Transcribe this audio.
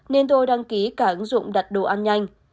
nên tôi đăng ký cả ứng dụng đặt đồ ăn nhanh